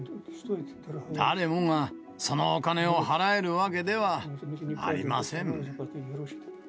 誰もがそのお金を払えるわけではありません。